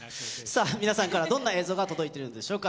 皆さんからどんな映像が届いているんでしょうか。